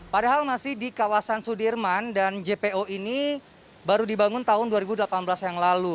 padahal masih di kawasan sudirman dan jpo ini baru dibangun tahun dua ribu delapan belas yang lalu